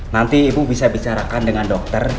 nanti ibu bisa bicarakan dengan dokter